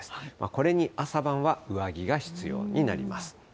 これに朝晩は上着が必要になります。